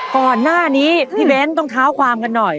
ก่อนหน้านี้พี่เบ้นต้องเท้าความกันหน่อย